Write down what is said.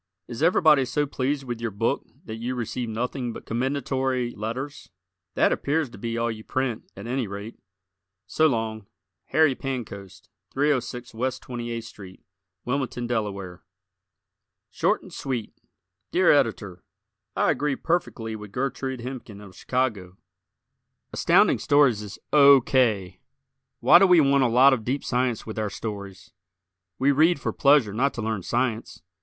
Is everybody so pleased with your book that you receive nothing but commendatory letters? That appears to be all you print, at any rate. So long Harry Pancoast, 306 West 28th St., Wilmington, Delaware. Short and Sweet Dear Editor: I agree perfectly with Gertrude Hemken, of Chicago. Astounding Stories is O. K. Why do we want a lot of deep science with our stories? We read for pleasure not to learn science.